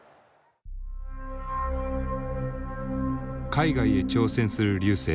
海外へ挑戦する瑠星。